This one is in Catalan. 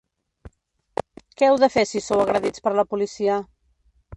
Què heu de fer si sou agredits per la policia?